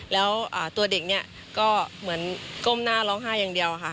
แล้วตัวเด็กเนี่ยก็เหมือนก้มหน้าร้องไห้อย่างเดียวค่ะ